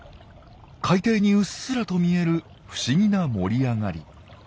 海底にうっすらと見える不思議な盛り上がり。